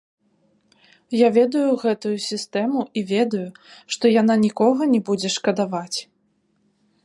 Я ведаю гэтую сістэму і ведаю, што яна нікога не будзе шкадаваць.